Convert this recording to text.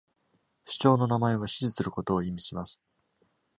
首長の名前は、支持することを意味します。